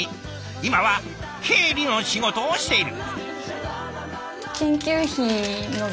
今は経理の仕事をしている。